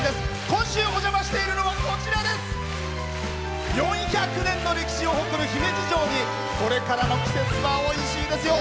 今週お邪魔しているのは４００年の歴史を誇る姫路城にこれからの季節はおいしいですよ